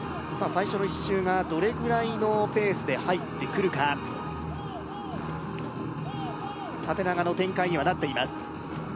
最初の１周がどれぐらいのペースで入ってくるか縦長の展開にはなっています